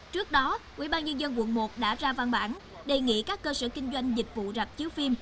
trước đó ubnd quận một đã ra văn bản đề nghị các cơ sở kinh doanh dịch vụ rạch chiếu phim